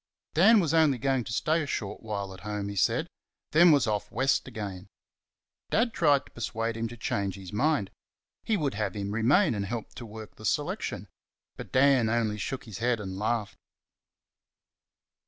Dan was only going to stay a short while at home, he said, then was off West again. Dad tried to persuade him to change his mind; he would have him remain and help to work the selection. But Dan only shook his head and laughed.